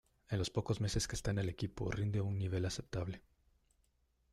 En los pocos meses que está en el equipo, rinde a un nivel aceptable.